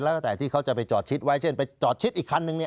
แล้วแต่ที่เขาจะไปจอดชิดไว้เช่นไปจอดชิดอีกคันนึงเนี่ย